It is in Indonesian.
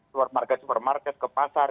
supermarket supermarket ke pasar